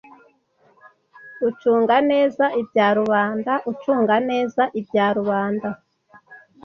Gucunga neza ibya rubanda ucunga neza ibya rubanda